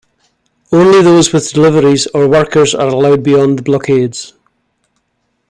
Only those with deliveries or workers are allowed beyond the blockades.